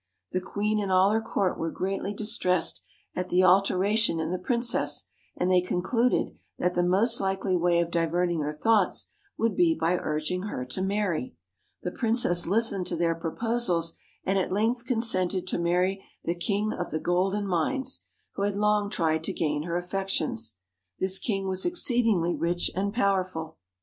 The queen and all her court were greatly distressed at the alteration in the princess, and they concluded that the most likely way of diverting her thoughts would be by urging her to marry. The princess listened to their proposals, and at length consented to marry the King of the Golden Mines, who had long tried to gain her affections. This king was exceedingly rich and powerful.